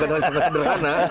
hal hal yang sangat sederhana